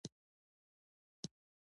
• د برېښنا ساتنه اقتصادي ګټه لري.